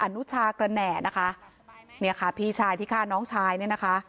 อนุชากระแหน่นะคะเนี่ยค่ะพี่ชายที่ฆ่าน้องชายเนี่ยนะคะ